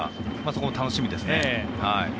そこも楽しみですね。